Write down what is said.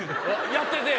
やってて？